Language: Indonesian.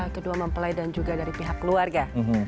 kedua mempelai dan juga dari pihak keluarga